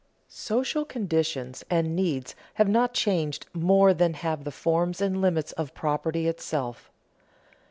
Social conditions and needs have not changed more than have the forms and limits of property itself.